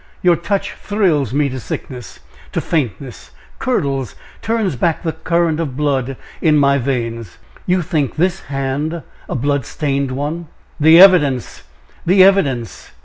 Your touch thrills me to sickness! to faintness! curdles turns back the current of blood in my veins!" "You think this hand a blood stained one?" "The evidence! the evidence!"